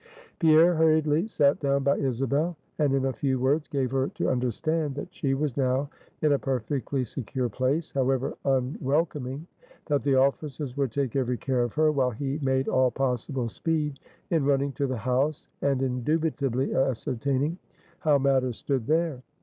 Pierre hurriedly sat down by Isabel, and in a few words gave her to understand, that she was now in a perfectly secure place, however unwelcoming; that the officers would take every care of her, while he made all possible speed in running to the house, and indubitably ascertaining how matters stood there.